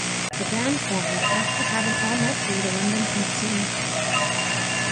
The band formed after having all met through the London punk scene.